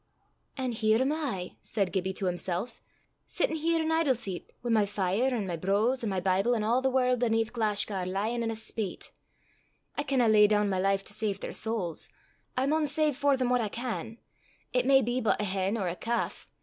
"And here am I," said Gibbie to himself, "sittin' here in idleset, wi' my fire, an' my brose, an' my Bible, and a' the warl' aneath Glashgar lyin' in a spate (flood)! I canna lay doon my life to save their sowls; I maun save for them what I can it may be but a hen or a calf.